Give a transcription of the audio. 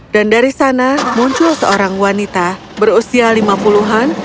dan dari sana muncul seorang wanita berusia lima puluhan